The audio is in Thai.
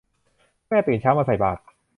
แม่ตื่นเช้ามาใส่บาตร